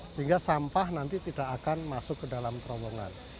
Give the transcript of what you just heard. sehingga sampah nanti tidak akan masuk ke dalam terowongan